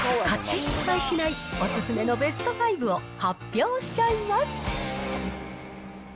買って失敗しない、おすすめのベスト５を発表しちゃいます。